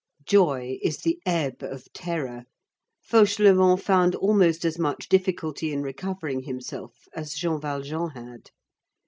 Joy is the ebb of terror. Fauchelevent found almost as much difficulty in recovering himself as Jean Valjean had.